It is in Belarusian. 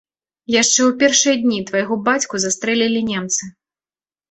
Яшчэ ў першыя дні твайго бацьку застрэлілі немцы.